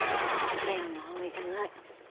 葉山葵じゃない。